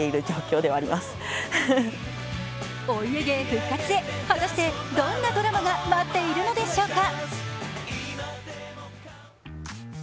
お家芸復活へ、果たしてどんなドラマが待っているのでしょうか。